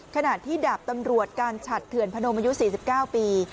ขณะที่ดาบตำรวจการฉัดเถื่อนพนมอายุ๔๙ปี